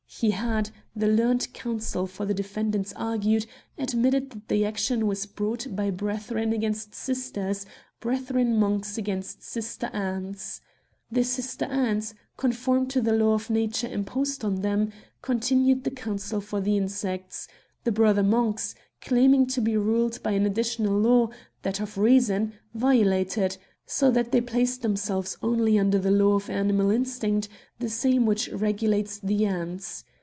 He had, the learned counsel for the defendants argued, admitted that the action was brought by brethren against sisters, brethren Monks against sister Ants. The sister Ants, conform to the law of nature imposed on them, continued the counsel for the insects ; the brother Monks, claiming to be ruled by an additional law, that of reason, violate it, so that they place themselves only under the law of animal instinct, the same which regulates the ants.